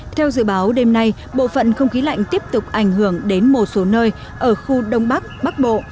theo dự báo đêm nay bộ phận không khí lạnh tiếp tục ảnh hưởng đến một số nơi ở khu đông bắc bắc bộ